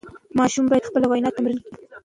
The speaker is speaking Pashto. ماشوم باید خپله وینا تمرین کړي.